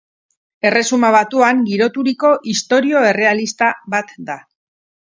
Erresuma Batuan giroturiko istorio errealista bat da.